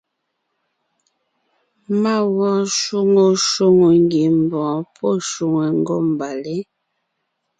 Má wɔɔn shwóŋo shwóŋò ngiembɔɔn pɔ́ shwòŋo ngômbalé.